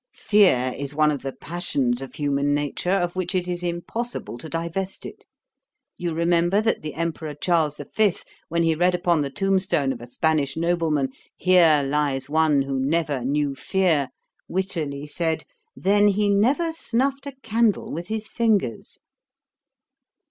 Fear is one of the passions of human nature, of which it is impossible to divest it. You remember that the Emperour Charles V, when he read upon the tomb stone of a Spanish nobleman, "Here lies one who never knew fear," wittily said, "Then he never snuffed a candle with his fingers."'